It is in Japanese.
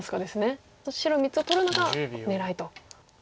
白３つを取るのが狙いと。